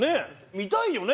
見たいよね。